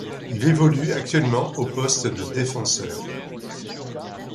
Il évolue actuellement au poste de défenseur.